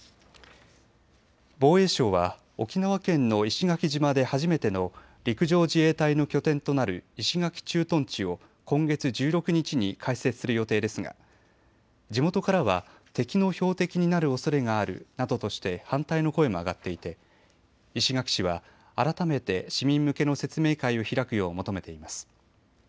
防衛省は沖縄県の石垣島で初めての陸上自衛隊の拠点となる石垣駐屯地を今月１６日に開設する予定ですが地元からは敵の標的になるおそれがあるなどとして反対の声も上がっていて石垣市は改めて市民向けの説明会を開くよう求めています。